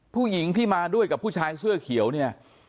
ผู้หญิงที่มาด้วยกับผู้ชายเสื้อเขียวเนี่ย